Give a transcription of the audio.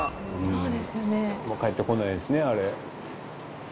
もう帰ってこないですねあれ。